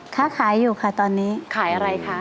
ค้าขายอยู่ค่ะตอนนี้ขายอะไรคะ